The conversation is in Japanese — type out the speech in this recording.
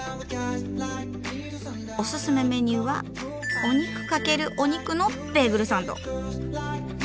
オススメメニューは「お肉×お肉」のベーグルサンド。